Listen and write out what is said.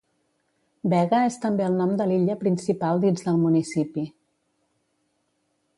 Vega és també el nom de l'illa principal dins del municipi.